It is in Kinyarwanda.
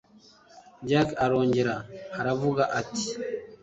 jack arongera aravuga ati